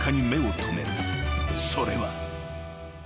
［それは］